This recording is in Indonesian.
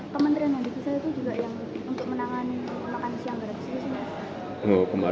tunggu aja ya salah satu kementerian yang dikisah itu juga yang untuk menang